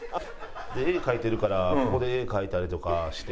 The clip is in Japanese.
絵描いてるからここで絵描いたりとかして。